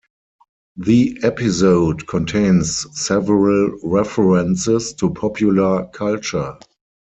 The episode contains several references to popular culture.